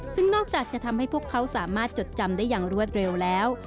ซึ่งนอกจากจะทำให้พวกเขาสามารถจดจำได้อย่างรวดเร็วแล้ว